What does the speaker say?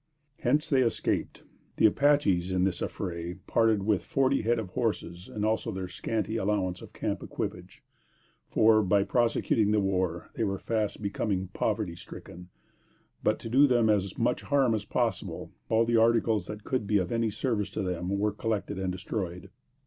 Hence, they escaped. The Apaches, in this affray, parted with forty head of horses and also their scanty allowance of camp equipage; for, by prosecuting the war, they were fast becoming poverty stricken; but, to do them as much harm as possible, all the articles that could be of any service to them were collected and destroyed.